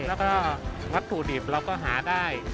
แล้วก็วัตถุดิบเราก็หาได้